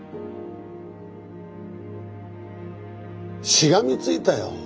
しがみついたよ